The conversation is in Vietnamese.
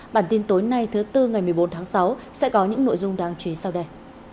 bản tin tối nay thứ tư ngày một mươi bốn tháng sáu sẽ có những nội dung đáng chú ý sau đây